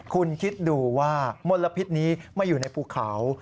คุณคิดดูว่ามลพิษนี้มาอยู่ในภูเขา